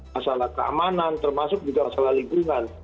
masalah kegiatan masalah kegiatan yang masuk juga masalah lingkungan